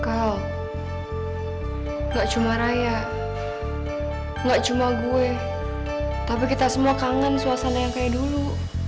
kau nggak cuma raya enggak cuma gue tapi kita semua kangen suasana yang kayak dulu